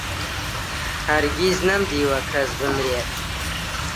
هەرگیز نەمدیوە کەس بمرێت